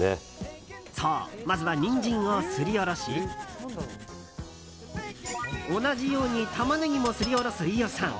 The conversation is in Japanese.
そう、まずはニンジンをすりおろし同じようにタマネギもすりおろす飯尾さん。